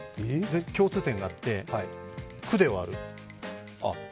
共通点があって、「ク」で終わる。